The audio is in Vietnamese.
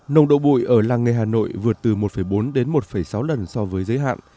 nồng độ bụi ở làng nghề hà nội vượt từ một bốn đến một sáu lần so với giới hạn